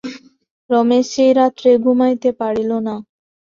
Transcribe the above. রমেশ সে রাত্রে ঘুমাইতে পারিল না।